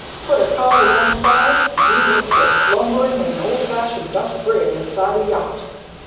Put a cod alongside, and he looks as lumbering as an old fashioned Dutch brig aside a yacht.